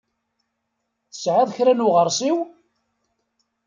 Tesɛiḍ kra n uɣeṛsiw?